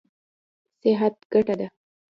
صحت ګټه ده.